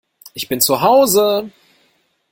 Ich bin zu Hause